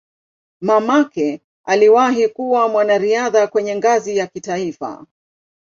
Mamake aliwahi kuwa mwanariadha kwenye ngazi ya kitaifa.